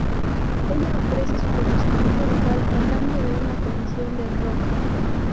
Ella ofrece su conocimiento local a cambio de una comisión del robo.